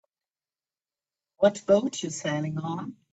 What boat you sailing on?